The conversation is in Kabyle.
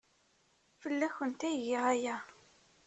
Fell-awent ay giɣ aya.